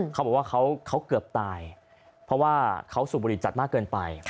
เขาบอกว่าเขาเกือบตายเพราะว่าเขาสูบบุหรี่จัดมากเกินไป